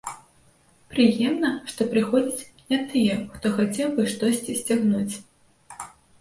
Прыемна, што прыходзяць не тыя, хто хацеў бы штосьці сцягнуць.